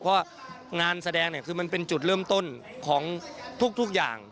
เพราะว่างานแสดงเนี่ยคือมันเป็นจุดเริ่มต้นของทุกอย่าง